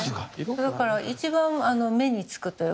だから一番目に付くというか。